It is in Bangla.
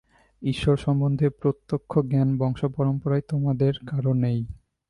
ঈশ্বর-সম্বন্ধে প্রত্যক্ষ জ্ঞান বংশ পরম্পরায় তোমাদের কারও নেই।